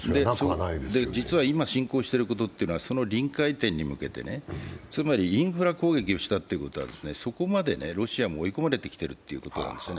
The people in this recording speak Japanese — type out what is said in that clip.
実は今、侵攻しているということはその臨界点に向けてつまりインフラ攻撃をしたということは、そこまでロシアも追い込まれてきているということです。